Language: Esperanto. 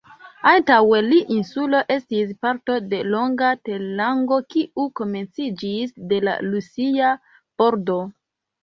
Antaŭe la insulo estis parto de longa terlango, kiu komenciĝis de la Rusia bordo.